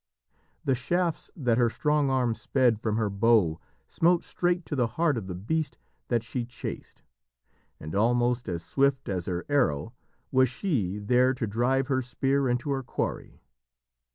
The shafts that her strong arm sped from her bow smote straight to the heart of the beast that she chased, and almost as swift as her arrow was she there to drive her spear into her quarry.